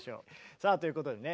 さあということでね